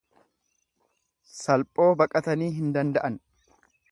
Saalphoo baqatanii hin danda'an.